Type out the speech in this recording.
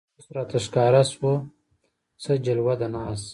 اوس راته ښکاره شوه څه جلوه د ناز